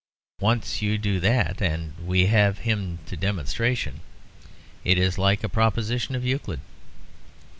Once do that, and we have him to demonstration. It is like a proposition of Euclid."